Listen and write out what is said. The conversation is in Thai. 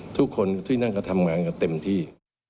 ทุกคนที่นั่นก็ทำงานกันเต็มที่